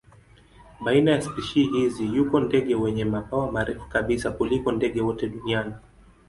Baina ya spishi hizi yuko ndege wenye mabawa marefu kabisa kuliko ndege wote duniani.